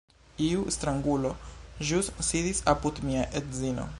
Iu strangulo ĵus sidis apud mia edzino